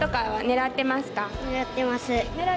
狙ってます。